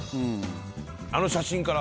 あの写真から。